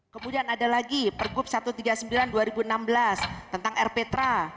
kemudian ada lagi pergub satu ratus tiga puluh sembilan dua ribu enam belas tentang rptra